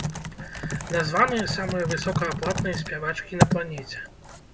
Названыя самыя высокааплатныя спявачкі на планеце.